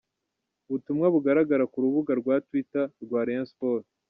Ubutumwa bugaragara ku rubuga rwa Twitter rwa Rayon Sports.